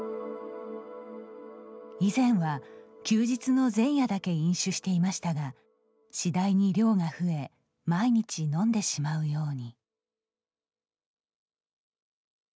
以前は休日の前夜だけ飲酒していましたがしだいに量が増え毎日飲んでしまうように。